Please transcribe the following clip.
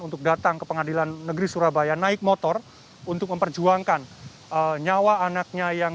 untuk datang ke pengadilan negeri surabaya naik motor untuk memperjuangkan nyawa anaknya yang